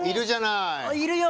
いるよ。